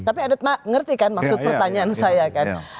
tapi ada ngerti kan maksud pertanyaan saya kan